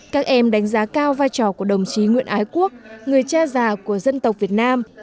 các em đánh giá cao vai trò của đồng chí nguyễn ái quốc người cha già của dân tộc việt nam